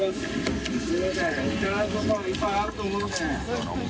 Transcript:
すごい。